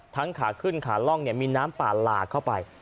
ทั้งขาขึ้นขาล่องเนี่ยมีน้ำปานหลากเข้าไป